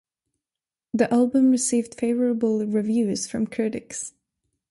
The album received favorable reviews from critics.